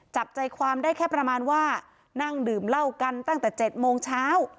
จับใจความได้แค่ประมาณว่านั่งดื่มเหล้ากันตั้งแต่๗โมงเช้า